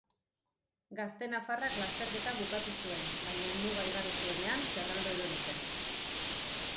Gazte nafarrak lasterketa bukatu zuen, baina helmuga igaro zuenean zerraldo erori zen.